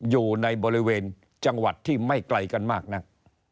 อยู่ในบริเวณจังหวัดที่ไม่ไกลกันมากนัก